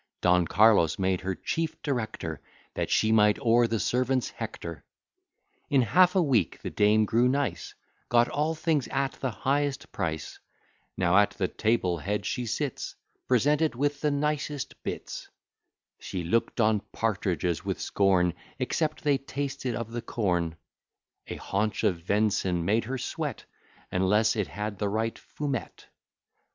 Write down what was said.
Don Carlos made her chief director, That she might o'er the servants hector. In half a week the dame grew nice, Got all things at the highest price: Now at the table head she sits, Presented with the nicest bits: She look'd on partridges with scorn, Except they tasted of the corn: A haunch of ven'son made her sweat, Unless it had the right fumette.